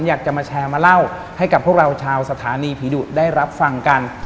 อยากจะมาแชร์มาเล่าให้กับพวกเราชาวสถานีผีดุได้รับฟังกัน